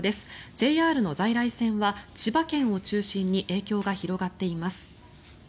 ＪＲの在来線は千葉県を中心に影響が広がっています。